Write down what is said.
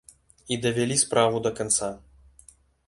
І давялі справу да канца.